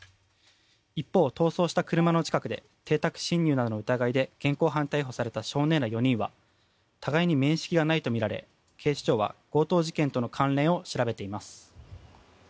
一方、逃走した車の近くで邸宅侵入などの疑いで現行犯逮捕された少年ら４人は互いに面識はないとみられ警視庁は強盗事件との関連を調べています。